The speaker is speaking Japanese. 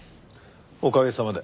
おかげさまで。